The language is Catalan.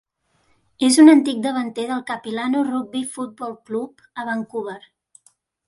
És un antic davanter del Capilano Rugby Football Club a Vancouver.